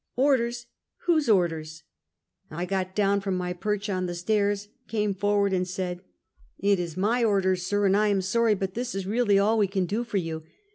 « Orders ! Whose orders ?" I got down from my perch on the stairs, came for ward and said: " It is my orders, sir, and I am sorry, but this is really all we can do for you.